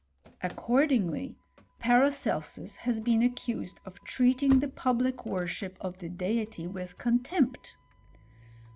Accordingly, Paracelsus has been accused of treating the public worship of the Deity with contempt.